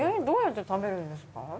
どうやって食べるんですか？